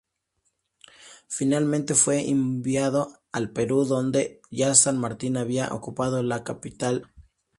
Finalmente fue enviado al Perú, donde ya San Martín había ocupado la capital, Lima.